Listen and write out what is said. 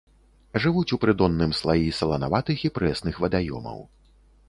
Жывуць у прыдонным слаі саланаватых і прэсных вадаёмаў.